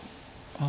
あ